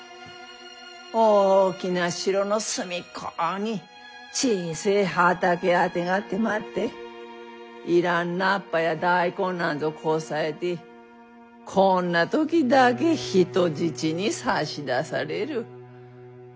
大きな城の隅っこにちいせえ畑あてがってまって要らん菜っぱや大根なんぞこさえてこんな時だけ人質に差し出される。